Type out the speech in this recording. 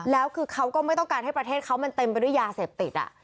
แล้วคือเขาก็ไม่ต้องการให้ประเทศเขามันเต็มไปด้วยยาเสพติด